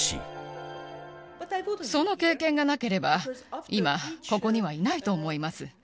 その経験がなければ、今、ここにはいないと思います。